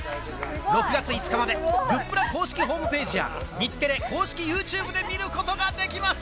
６月５日までグップラ公式ホームページや、日テレ公式ユーチューブで見ることができます。